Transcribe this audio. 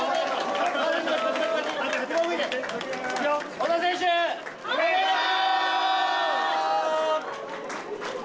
小田選手、おめでとう！